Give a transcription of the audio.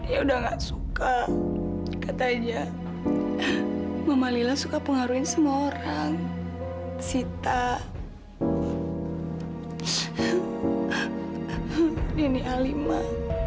ya udah nggak suka kata aja mama lila suka pengaruhin semua orang sita ini alima